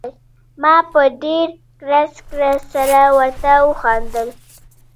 ما په ډېر کړس کړس سره ورته وخندل.